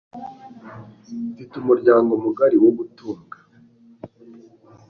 Mfite umuryango mugari wo gutunga.